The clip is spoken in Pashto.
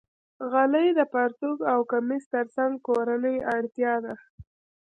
غلۍ د پرتوګ او کمیس تر څنګ کورنۍ اړتیا ده.